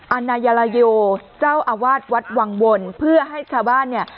นายยาลาโยเจ้าอาวาสวัดวังวลเพื่อให้ชาวบ้านเนี่ย